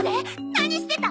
何してた？